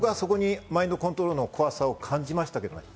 僕はそこにマインドコントロールの怖さを感じましたけど。